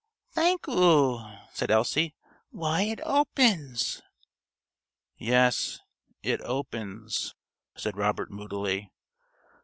"Thank oo," said Elsie. "Why, it opens!" "Yes, it opens," said Robert moodily.